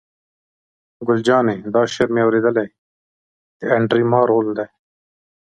ګل جانې: دا شعر مې اورېدلی، د انډرې مارول دی.